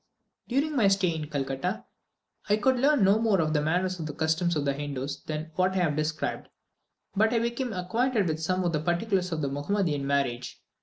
During my stay in Calcutta, I could learn no more of the manners and customs of the Hindoos than what I have described, but I became acquainted with some of the particulars of a Mahomedan marriage.